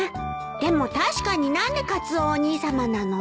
でも確かに何でカツオお兄さまなの？